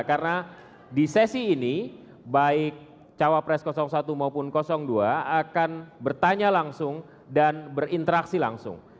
karena di sesi ini baik cawa press satu maupun dua akan bertanya langsung dan berinteraksi langsung